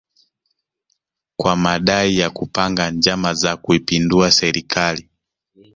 kwa madai ya kupanga njama za kuipindua serikali